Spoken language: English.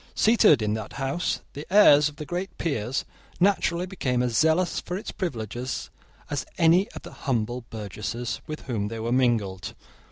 Seated in that house, the heirs of the great peers naturally became as zealous for its privileges as any of the humble burgesses with whom they were mingled.